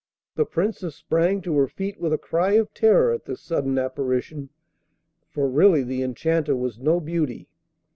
The Princess sprang to her feet with a cry of terror at this sudden apparition, for really the Enchanter was no beauty.